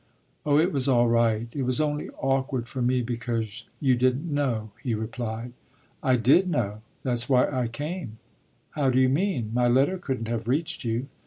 "Oh it was all right; it was only awkward for me because you didn't know," he replied. "I did know; that's why I came." "How do you mean? My letter couldn't have reached you."